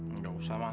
nggak usah ma